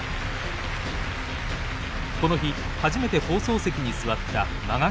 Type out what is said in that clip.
この日初めて放送席に座った間垣親方